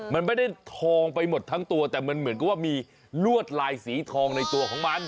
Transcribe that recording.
มันไม่ได้ทองไปหมดทั้งตัวแต่มันเหมือนกับว่ามีลวดลายสีทองในตัวของมัน